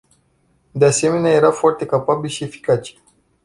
De asemenea, era foarte capabil și eficace.